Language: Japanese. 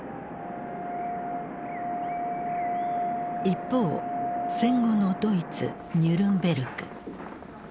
一方戦後のドイツニュルンベルク。